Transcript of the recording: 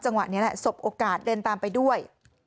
จังหวะนี้สบโอกาสเดินตามไปด้วย